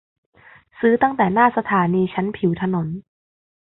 ซื้อตั้งแต่หน้าสถานีชั้นผิวถนน